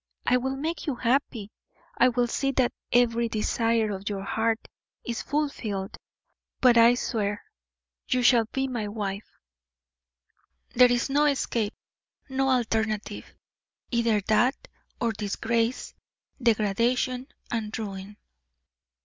I will make you happy, I will see that every desire of your heart is fulfilled; but I swear you shall be my wife. There is no escape no alternative; either that or disgrace, degradation, and ruin.